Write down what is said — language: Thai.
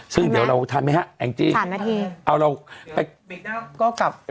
ซึ่งเดี๋ยวเราถามไหมฮะเอ็งจิตามหน้าที่เอาเราเดี๋ยวก็กลับ